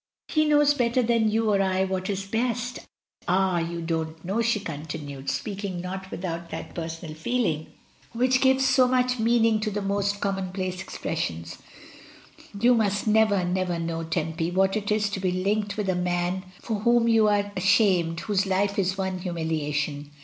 "He knows better than you or I what is best. Ah, you don't know," she continued, speaking not without that personal feeling which gives so much meaning to the most common place expressions, "you must never, never know, Tempy, what it is to be linked with a man for whom you are ashamed, whose life is one humiliation.